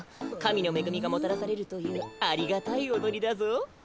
かみのめぐみがもたらせるというありがたいおどりだぞ。